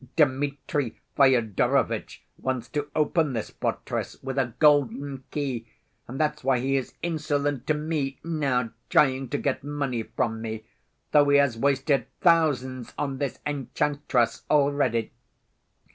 Dmitri Fyodorovitch wants to open this fortress with a golden key, and that's why he is insolent to me now, trying to get money from me, though he has wasted thousands on this enchantress already.